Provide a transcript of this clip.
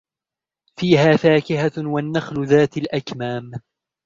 فيها فاكهة والنخل ذات الأكمام